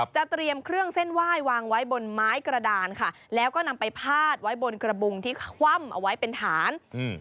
เตรียมเครื่องเส้นไหว้วางไว้บนไม้กระดานค่ะแล้วก็นำไปพาดไว้บนกระบุงที่คว่ำเอาไว้เป็นฐานอืม